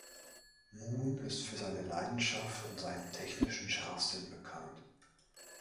Moon ist für seine Leidenschaft und seinen technischen Scharfsinn bekannt.